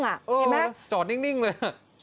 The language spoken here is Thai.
เจอจอดนิ่งเลย